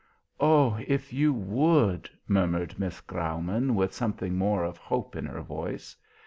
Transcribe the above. "Oh, if you would," murmured Miss Graumann, with something more of hope in her voice.